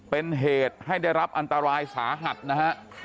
เป็นเหตุให้ได้รับอันตรายสาหัสนะฮะ